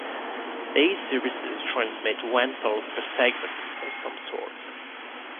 These services transmit one pulse per second of some sort.